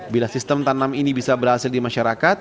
bila sistem tanam ini bisa berhasil di masyarakat